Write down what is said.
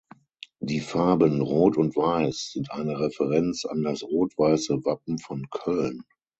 Die Farben Rot und Weiß sind eine Referenz an das rot-weiße Wappen von Köln.